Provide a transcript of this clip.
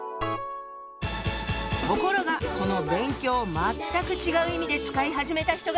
ところがこの「勉強」を全く違う意味で使い始めた人がいるの！